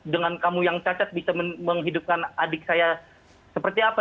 dengan kamu yang cacat bisa menghidupkan adik saya seperti apa